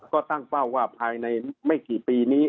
ก็ตั้งเป้าว่าภายในไม่กี่ปีนี้